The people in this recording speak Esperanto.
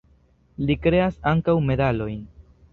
Li kreas ankaŭ medalojn.